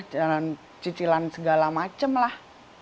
bayar cicilan segala macam lah